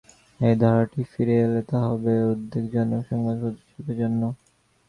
এই ধারাটি ফিরে এলে তা হবে উদ্বেগজনক সংবাদপত্রশিল্পের জন্য।